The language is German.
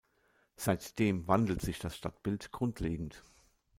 Seitdem wandelt sich das Stadtbild grundlegend.